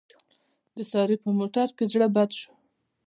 د سارې په موټر کې زړه بد شو.